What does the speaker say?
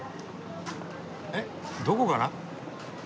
えっどこから？